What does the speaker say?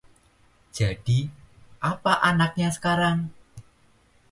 Jadi apa anaknya sekarang?